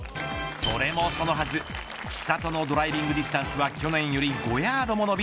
それもそのはず千怜のドライビングディスタンスは去年より５ヤードも伸び